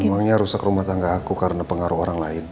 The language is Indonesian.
uangnya rusak rumah tangga aku karena pengaruh orang lain